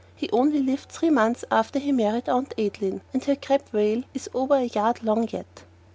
He only lived three months after he married Aunt Adeline, and her crêpe veil is over a yard long yet.